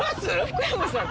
福山さん